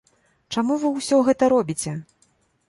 Чаму вы ўсё гэта робіце?